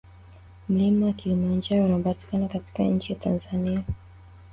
Mlima kulimanjaro unapatikana katika nchi ya Tanzania